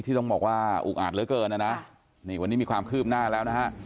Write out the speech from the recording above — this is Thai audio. ต้องบอกว่าอุกอาจเหลือเกินนะนะนี่วันนี้มีความคืบหน้าแล้วนะฮะ